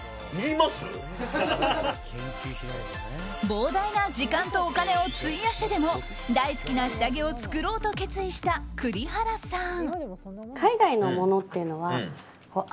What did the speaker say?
膨大な時間とお金を費やしてでも大好きな下着を作ろうと決意した栗原さん。